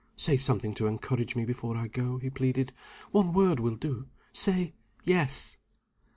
"Say something to encourage me before I go," he pleaded. "One word will do. Say, Yes."